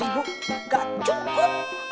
lima ribu nggak cukup